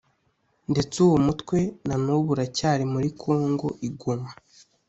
ndetse uwo mutwe na n’ubu uracyari muri Congo i Goma